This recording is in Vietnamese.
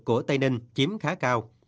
của tây ninh chiếm khá cao